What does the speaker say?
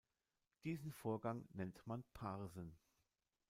Diesen Vorgang nennt man Parsen.